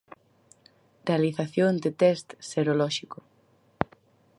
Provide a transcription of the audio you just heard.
Realización de test serolóxico.